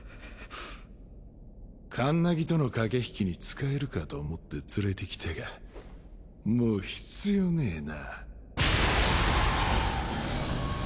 カンナギとの駆け引きに使えるかと思って連れてきたがもう必要ねぇな。